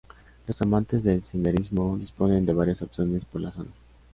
Los amantes del senderismo disponen de varias opciones por la zona.